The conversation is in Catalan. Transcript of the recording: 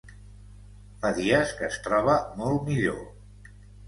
Fa dies que es troba molt millor.